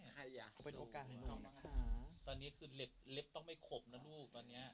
ตอนนี้คือเล็บเล็บต้องไม่ขบนะลูกตอนเนี้ยให้เห็นไปเลยค่ะน้องยาว